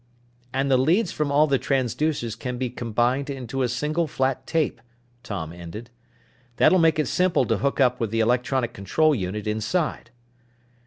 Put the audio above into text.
"And the leads from all the transducers can be combined into a single flat tape," Tom ended. "That'll make it simple to hook up with the electronic control unit inside."